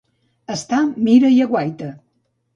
Estar mira i aguaita.